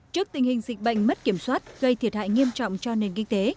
trước tình hình dịch bệnh mất kiểm soát gây thiệt hại nghiêm trọng cho nền kinh tế